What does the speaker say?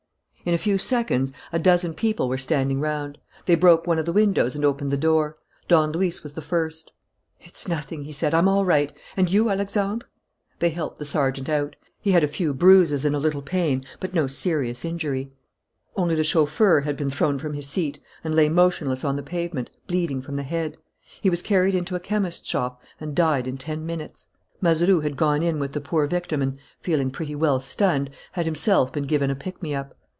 In a few seconds a dozen people were standing round. They broke one of the windows and opened the door. Don Luis was the first. "It's nothing," he said. "I'm all right. And you, Alexandre?" They helped the sergeant out. He had a few bruises and a little pain, but no serious injury. Only the chauffeur had been thrown from his seat and lay motionless on the pavement, bleeding from the head. He was carried into a chemist's shop and died in ten minutes. Mazeroux had gone in with the poor victim and, feeling pretty well stunned, had himself been given a pick me up.